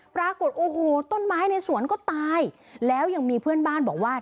ปรากฏโอ้โหต้นไม้ในสวนก็ตายแล้วยังมีเพื่อนบ้านบอกว่า